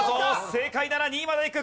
正解なら２位までいく。